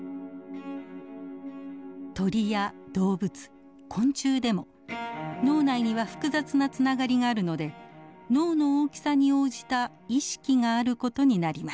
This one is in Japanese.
鳥や動物昆虫でも脳内には複雑なつながりがあるので脳の大きさに応じた意識がある事になります。